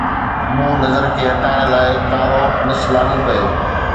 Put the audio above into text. مون نظر کي هٽائڻ لاء ڪارو مس لاڳو ڪيو